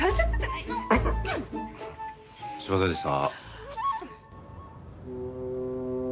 すいませんでした。